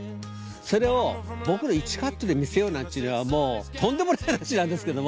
それを僕ら１カットで見せようなんちゅうのはもうとんでもない話なんですけども。